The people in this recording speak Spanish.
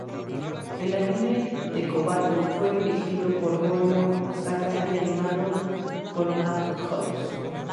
El anime de Kobato fue dirigido por Morio Asaka y animado por Madhouse.